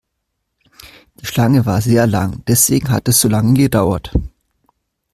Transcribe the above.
Die Schlange war sehr lang, deswegen hat es so lange gedauert.